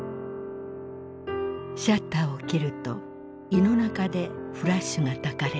シャッターをきると胃の中でフラッシュがたかれる。